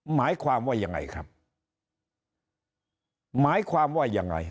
หมายความว่ายังไงครับหมายความว่ายังไง